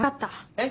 えっ？